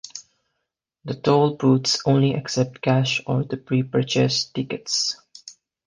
The toll booths only accept cash or the pre-purchased tickets.